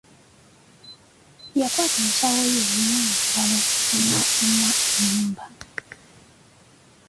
Yakwata ensawo ye ey'omu ngalo, n'affuluma ennyumba.